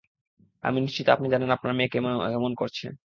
আমি নিশ্চিত আপনি জানেন আপনার মেয়ে কেন এমন করছে।